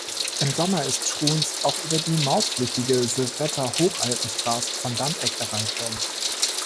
Im Sommer ist Schruns auch über die mautpflichtige Silvretta-Hochalpenstraße von Landeck erreichbar.